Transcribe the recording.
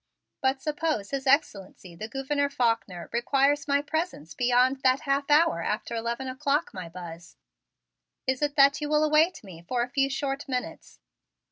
"But suppose His Excellency the Gouverneur Faulkner requires my presence beyond that half hour after eleven o'clock, my Buzz, is it that you will await me for a few short minutes?"